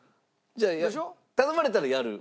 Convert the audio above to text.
じゃあ頼まれたらやる？